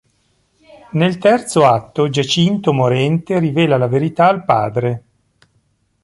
Nel terzo atto Giacinto morente rivela la verità al padre.